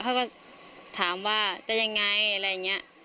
เขาก็ถามว่าจะยังไงอะไรอย่างนี้